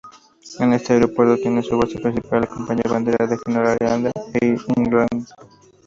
En este aeropuerto tiene su base principal la compañía bandera de Groenlandia, Air Greenland.